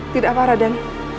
tidak apa apa raden